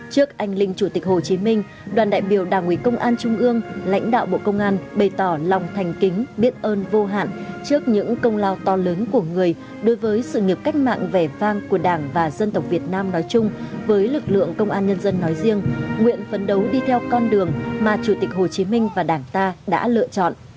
trước anh linh chủ tịch hồ chí minh đoàn đại biểu đảng ủy công an trung ương lãnh đạo bộ công an bày tỏ lòng thành kính biết ơn vô hạn trước những công lao to lớn của người đối với sự nghiệp cách mạng vẻ vang của đảng và dân tộc việt nam nói chung với lực lượng công an nhân dân nói riêng nguyện phấn đấu đi theo con đường mà chủ tịch hồ chí minh và đảng ta đã lựa chọn